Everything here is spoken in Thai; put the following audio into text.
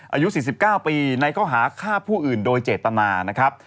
อายุ๔๙ปีในข้อหาฆ่าผู้อื่นโดยเจตนานะครับ